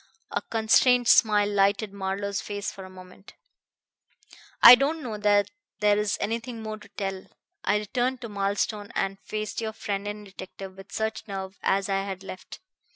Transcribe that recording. A constrained smile lighted Marlowe's face for a moment. "I don't know that there's anything more to tell. I returned to Marlstone, and faced your friend the detective with such nerve as I had left.